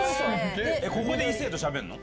ここで異性としゃべるの？